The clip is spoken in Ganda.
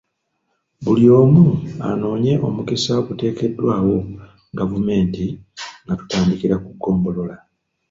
Buli omu anoonye omukisa oguteekeddwawo gavumenti nga tutandikira ku ggombolola.